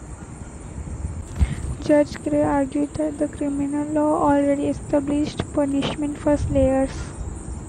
Judge Gray argued that the criminal law already established punishment for slayers.